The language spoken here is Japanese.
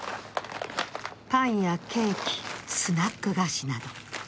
パンやケーキ、スナック菓子など。